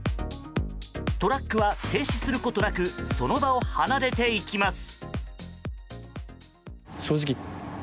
トラックは停止することなくその場を離れていきます。